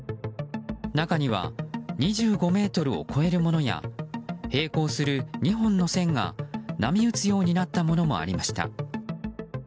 中には２５ｍを超えるものや並行する２本の線が波打つようになったものもありました。